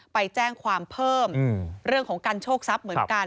ไปแจ้งความเพิ่มเรื่องของการโชคทรัพย์เหมือนกัน